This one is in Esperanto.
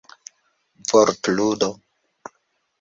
vortludo